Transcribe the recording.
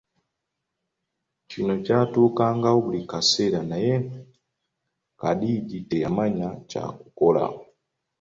Kino kyatukangawo buli kaseera naye Kadiidi teyamanya kyakukola.